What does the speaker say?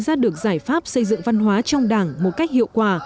để đề ra được giải pháp xây dựng văn hóa trong đảng một cách hiệu quả